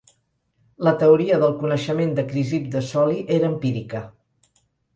La teoria del coneixement de Crisip de Soli era empírica.